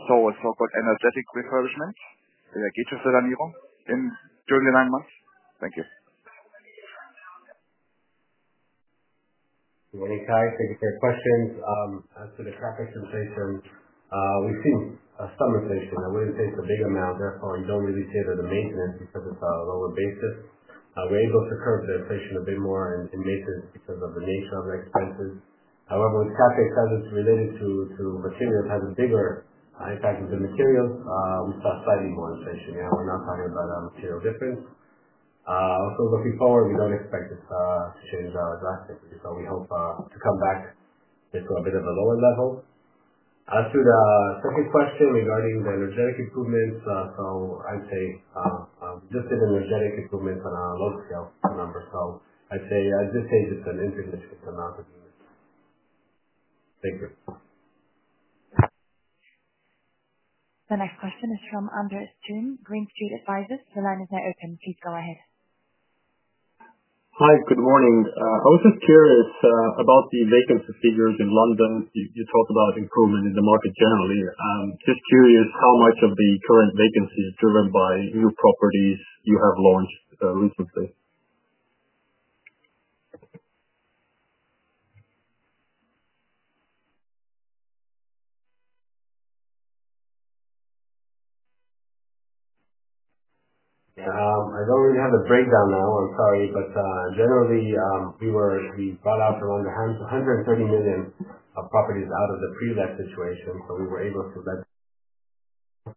saw a so-called energetic refurbishment during the nine months? Thank you. Good morning, [Kai]. Thank you for your questions. As to the CapEx inflation, we've seen some inflation. It wouldn't take a big amount, therefore it don't really tailor the maintenance because it's a lower basis. We're able to curb the inflation a bit more in maintenance because of the nature of the expenses. However, with CapEx, as it's related to material, it has a bigger impact. With the material, we start citing more inflation. We're not talking about a material difference. Looking forward, we don't expect this to change drastically. We hope to come back into a bit of a lower level. As to the second question regarding the energetic improvements, I'd say, this is an energetic improvement on a large scale number. I'd say at this stage, it's an insignificant amount of units. Thank you. The next question is from Andres Toome, Green Street Advisors. Your line is now open. Please go ahead. Hi. Good morning. I was just curious about the vacancy figures in London. You talked about improvement in the market generally. I am just curious how much of the current vacancy is driven by new properties you have launched recently. I don't really have a breakdown now, I'm sorry. Generally, we bought out around 130 million of properties out of the pre-let situation, so we were able to let. I'm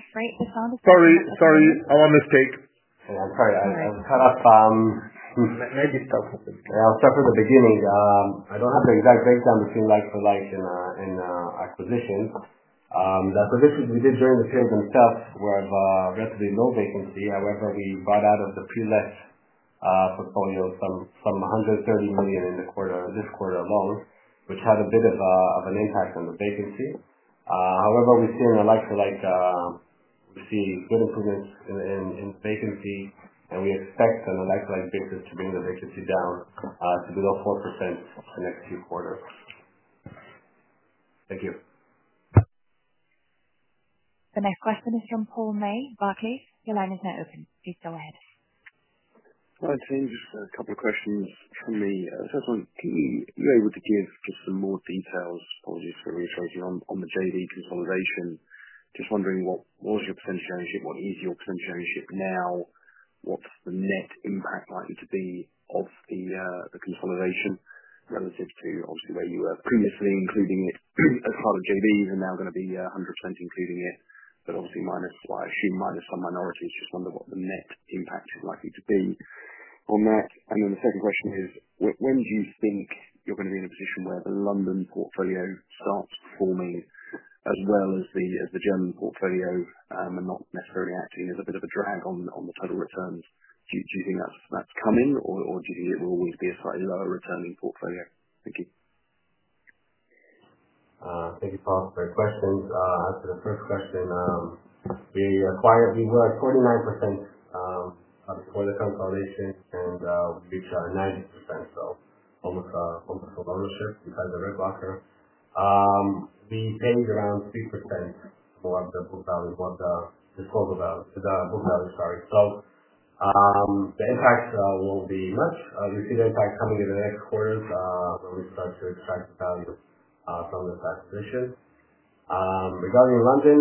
afraid to sound a bit. Sorry. Our mistake. Yeah, I'm sorry. I cut off. Maybe start from the beginning. Yeah, I'll start from the beginning. I don't have the exact breakdown between like-for-like and acquisitions. The acquisitions we did during the period themselves were of relatively low vacancy. However, we bought out of the pre-let portfolio some 130 million in this quarter alone, which had a bit of an impact on the vacancy. However, We see good improvements in vacancy, and we expect a like-for-like business to bring the vacancy down to below 4% the next few quarters. Thank you. The next question is from Paul May of Barclays. Your line is now open. Please go ahead. Hi, team. Just a couple of questions from me. First one, are you able to give just some more details, apologies for reiterating, on the JV consolidation? Just wondering what was your potential ownership? What is your potential ownership now? What's the net impact likely to be of the consolidation relative to, obviously, where you were previously including it as part of JVs and now going to be 100% including it, but obviously minus, well, I assume minus some minorities. Just wonder what the net impact is likely to be on that. The second question is, when do you think you're going to be in a position where the London portfolio starts performing as well as the German portfolio, and not necessarily acting as a bit of a drag on the total returns? Do you think that's coming, or do you think it will always be a slightly lower returning portfolio? Thank you. Thank you, Paul, for your questions. To the first question, we were at 49% before the consolidation, and reached 90%, so almost a full ownership. We had the right blocker. We paid around 3% for the book value, the book value, sorry. The impact will be much. We see the impact coming in the next quarters, where we start to extract the value from this acquisition. Regarding London,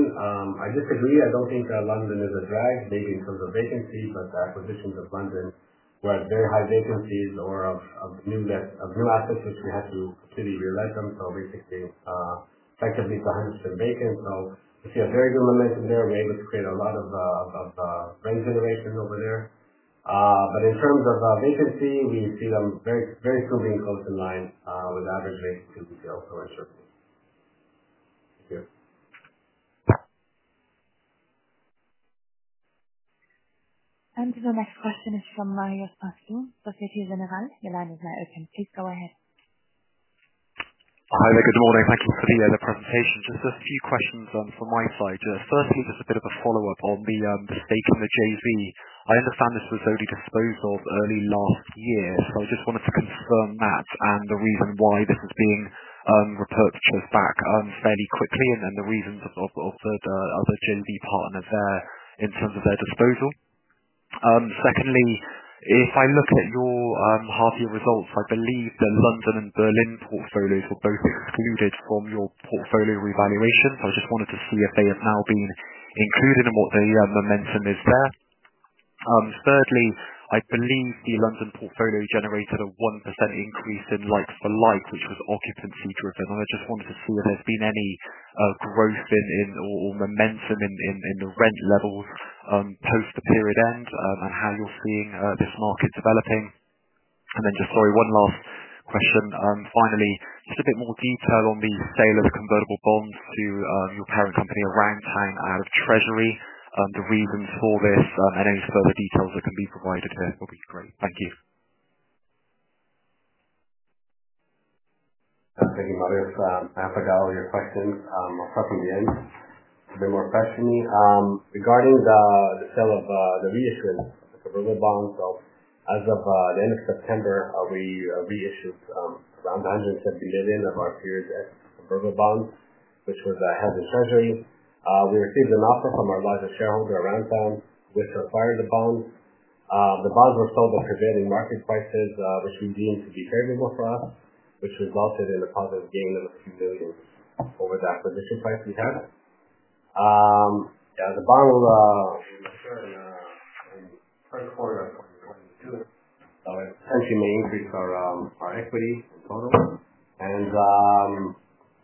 I disagree. I don't think that London is a drag, maybe in terms of vacancy, but the acquisitions of London were at very high vacancies or of new assets which we had to completely re-let them. Basically, effectively it was 100% vacant. We see a very good momentum there. We're able to create a lot of rent generation over there. In terms of vacancy, we see them very soon being close in line with average vacancy going forward. Thank you. The next question is from Mario Faccia of Société Générale. Your line is now open. Please go ahead. Hi there. Good morning. Thank you for the presentation. Just a few questions from my side. Firstly, just a bit of a follow-up on the stake in the JV. I understand this was only disposed of early last year, I just wanted to confirm that and the reason why this is being repurchased back fairly quickly, and then the reasons of the other JV partner there in terms of their disposal. Secondly, if I look at your half-year results, I believe the London and Berlin portfolios were both excluded from your portfolio revaluation. I just wanted to see if they have now been included and what the momentum is there. Thirdly, I believe the London portfolio generated a 1% increase in like-for-like, which was occupancy driven, I wanted to see if there's been any growth or momentum in the rent levels post the period end, and how you're seeing this market developing. Then, sorry, one last question. Finally, a bit more detail on the sale of the convertible bonds to your parent company, Aroundtown, out of treasury. The reasons for this, and any further details that can be provided there will be great. Thank you. Thank you, Mario. I'm happy with all your questions. I'll start from the end. There's a bit more question. Regarding the sale of the reissuance of the convertible bonds. As of the end of September, we reissued around 170 million of our previous convertible bonds, which was held in treasury. We received an offer from our largest shareholder, Aroundtown, which acquired the bonds. The bonds were sold at prevailing market prices, which we deemed to be favorable for us, which resulted in a positive gain of a few million over the acquisition price we had. The bond will mature in the first quarter of 2022. It essentially means it's our equity in total.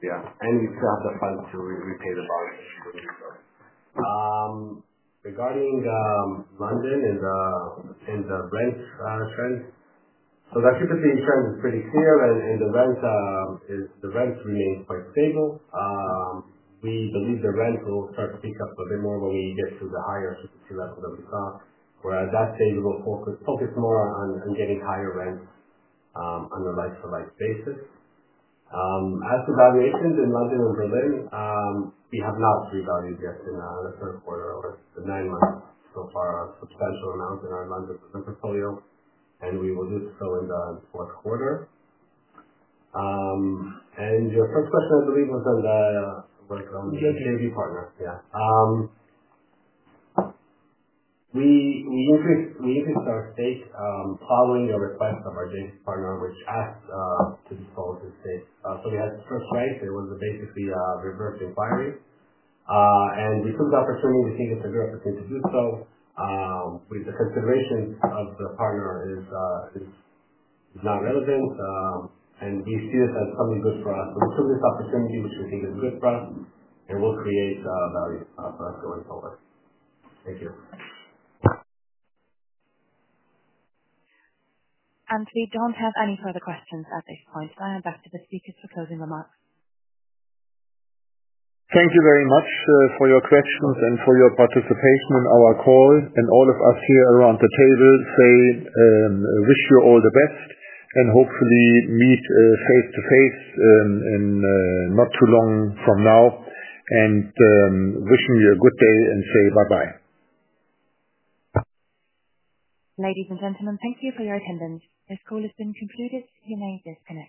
We still have the funds to repay the bond Regarding London and the rent trends. The occupancy trend is pretty clear, and the rents remain quite stable. We believe the rent will start to pick up a bit more when we get to the higher occupancy levels that we saw. That said, we will focus more on getting higher rents on a like-for-like basis. As for valuations in London and Berlin, we have not revalued yet in the third quarter or the nine months so far, a substantial amount in our London portfolio, and we will do so in the fourth quarter. Your first question, I believe, was on the JV partner. Yeah. We increased our stake following a request from our JV partner, which asked to control its stake. We had first right. It was basically a reverse inquiry. We took the opportunity, we think it's a good opportunity to do so, with the consideration of the partner is not relevant. We see this as something good for us. We took this opportunity, which we think is good for us, and will create value for our shareholders. Thank you. And we don't have any further questions at this point. Back to the speakers for closing remarks. Thank you very much for your questions and for your participation on our call. All of us here around the table say, wish you all the best, hopefully meet face-to-face in not too long from now. Wishing you a good day and say bye-bye. Ladies and gentlemen, thank you for your attendance. This call has been concluded. You may disconnect.